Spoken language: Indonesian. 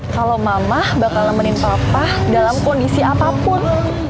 kalau mama bakal nemenin papa dalam kondisi apapun